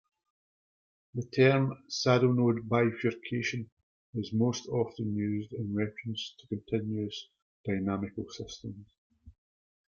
The term 'saddle-node bifurcation' is most often used in reference to continuous dynamical systems.